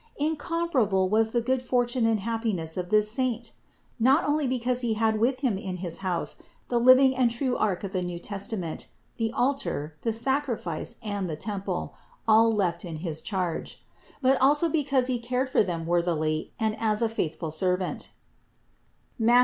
Incomparable was the good fortune and happiness of this saint! Not only because he had with him in his house the living and true ark of the new Testament, the altar, the sacrifice, and the temple, all left in his charge ; but also because he cared for them worthily and as a faithful servant (Matth.